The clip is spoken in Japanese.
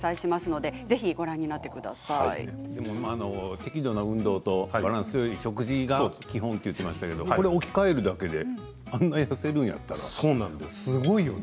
でも適度な運動とバランスよい食事が基本って言ってましたけどこれを置き換えるだけであんな痩せるんやったらすごいよね。